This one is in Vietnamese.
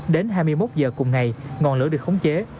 đến hai mươi một h cùng ngày ngọn lửa được khống chế